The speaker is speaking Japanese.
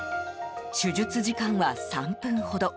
手術時間は３分ほど。